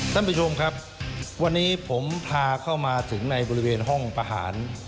ท่านผู้ชมครับวันนี้ผมพาเข้ามาถึงในบริเวณห้องประหาร